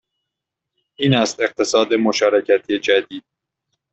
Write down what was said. این است اقتصاد مشارکتی جدید